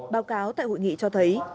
báo cáo tại hội nghị cho thấy